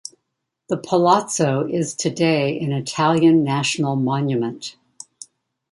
The palazzo is today an Italian national monument.